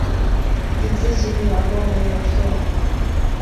以自己女儿们为模特儿